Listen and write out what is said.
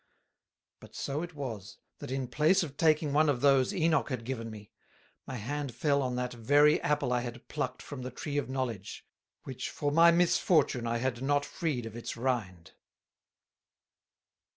But so it was, that in place of taking one of those Enoch had given me, my hand fell on that very Apple I had plucked from the Tree of Knowledge, which for my misfortune I had not freed of its Rind.